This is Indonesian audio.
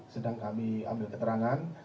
sedang kami ambil keterangan